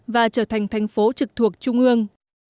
và trở thành thành phố trực thuộc trung ương